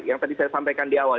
yang tadi saya sampaikan di awal